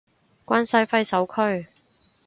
關西揮手區